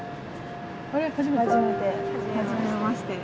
あれ初めて？